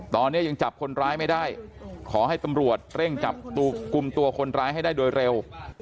ตอนนี้ยังจับคนร้ายไม่ได้ขอให้ตำรวจเร่งจับกลุ่มตัวคนร้ายให้ได้โดยเร็ว